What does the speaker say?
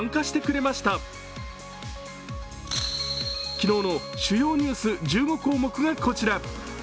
昨日の主要ニュース１５項目がこちら。